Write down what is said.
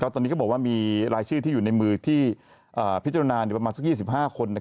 ตอนนี้ก็บอกว่ามีรายชื่อที่อยู่ในมือที่พิจารณาประมาณสัก๒๕คน